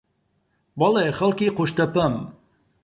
بەڵێ، خەڵکی قوشتەپەم.